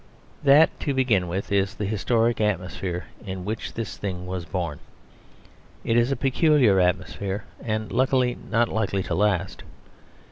That, to begin with, is the historic atmosphere in which this thing was born. It is a peculiar atmosphere, and luckily not likely to last.